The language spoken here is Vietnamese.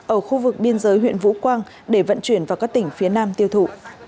ở khu vực biên giới huyện vũ quang để vận chuyển vào các tỉnh phía nam tiêu thụ